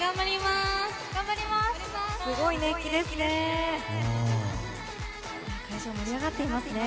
すごい熱気ですね。